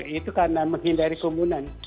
itu karena menghindari kerumunan